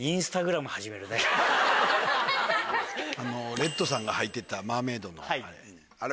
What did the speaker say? レッドさんがはいてたマーメイドのあれ。